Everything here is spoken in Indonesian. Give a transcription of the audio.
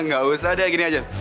nggak usah deh gini aja